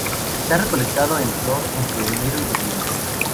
Se ha recolectado en flor entre enero y noviembre.